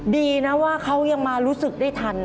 ดีนะว่าเขายังมารู้สึกได้ทัน